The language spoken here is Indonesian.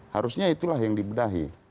harusnya itulah yang dibenahi